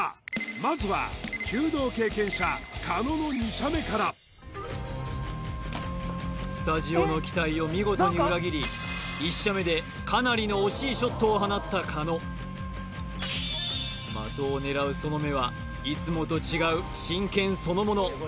まずは弓道経験者狩野の２射目からスタジオの期待を見事に裏切り１射目でかなりの惜しいショットを放った狩野的を狙うその目はいつもと違う真剣そのもの